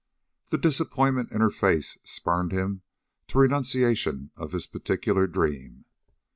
The disappointment in her face spurred him to renunciation of his particular dream.